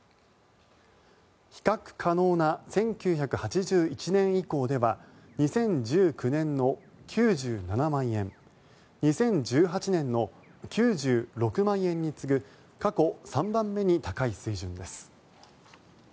比較可能な１９８１年以降では２０１９年の９７万円２０１８年の９６万円に次ぐ過去３番目に高い水準です。